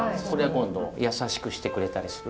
今度優しくしてくれたりする。